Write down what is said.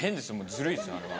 ずるいですあれは。